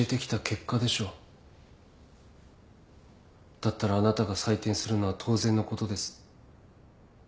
だったらあなたが採点するのは当然のことです。